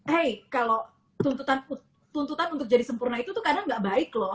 hei kalau tuntutan untuk jadi sempurna itu tuh kadang gak baik loh